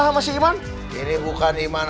sama mas iman ini bukan iman